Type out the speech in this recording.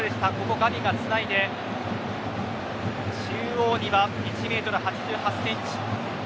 ガヴィがつないで中央には１ｍ８８ｃｍ